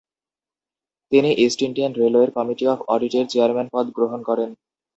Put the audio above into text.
তিনি east Indian রেলওয়ের committee of অডিটের চেয়ারম্যানের পদ গ্রহণ করেন।